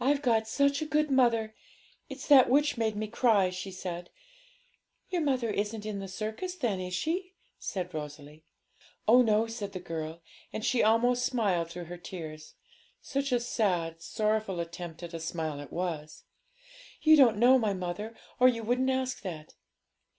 'I've got such a good mother; it's that which made me cry,' she said. 'Your mother isn't in the circus, then, is she?' said Rosalie. 'Oh no,' said the girl; and she almost smiled through her tears such a sad, sorrowful attempt at a smile it was; 'you don't know my mother or you wouldn't ask that!